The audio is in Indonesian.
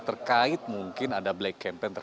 terkait mungkin ada black campaign